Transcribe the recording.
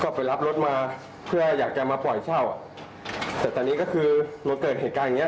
ก็ไปรับรถมาเพื่ออยากจะมาปล่อยเช่าอ่ะแต่ตอนนี้ก็คือมาเกิดเหตุการณ์อย่างเง